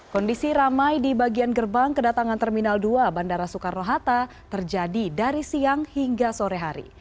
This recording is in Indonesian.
kondisi ramai di bagian gerbang kedatangan terminal dua bandara soekarno hatta terjadi dari siang hingga sore hari